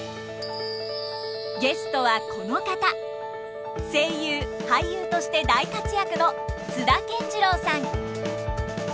ゲストはこの方声優俳優として大活躍の津田健次郎さん。